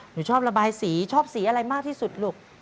หนูชอบระบายสีชอบสีอะไรมากที่สุดลูก